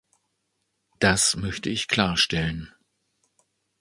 Das möchte ich klarstellen.